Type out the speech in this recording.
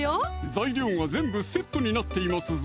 材料が全部セットになっていますぞ